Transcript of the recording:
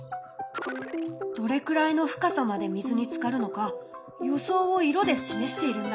どれくらいの深さまで水につかるのか予想を色で示しているんだ。